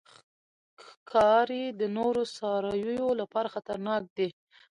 ښکاري د نورو څارویو لپاره خطرناک دی.